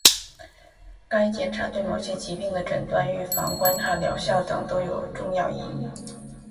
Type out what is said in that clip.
该检查对某些疾病的诊断、预防、观察疗效等都有重要意义